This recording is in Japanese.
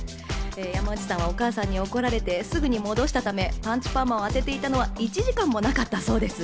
山内さんはお母さんに怒られて、すぐに戻したためパンチパーマをあてていたのは１時間もなかったそうです。